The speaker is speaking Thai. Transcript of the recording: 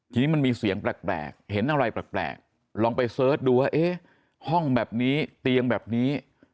ทีนี้มันมีเสียงแปลกเห็นอะไรแปลกลองไปเสิร์ชดูว่าเอ๊ะห้องแบบนี้เตียงแบบนี้